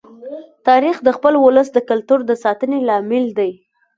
تاریخ د خپل ولس د کلتور د ساتنې لامل دی.